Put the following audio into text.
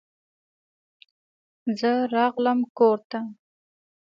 زه راغلم کور ته.